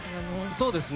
そうですね。